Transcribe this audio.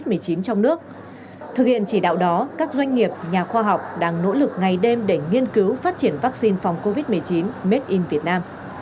trong đó các doanh nghiệp nhà khoa học đang nỗ lực ngày đêm để nghiên cứu phát triển vaccine phòng covid một mươi chín made in việt nam